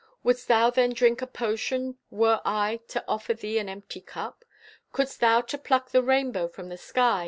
Wouldst thou then drink a potion Were I to offer thee an empty cup? Couldst thou to pluck the rainbow from the sky?